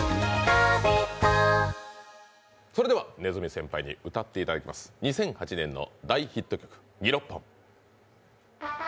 それでは鼠先輩に歌っていただきます、２００８年の大ヒット曲、「六本木ＧＩＲＯＰＰＯＮ」。